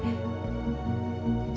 lucu banget anaknya